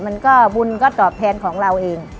มันก็บุญก็ตอบแทนของเราเอง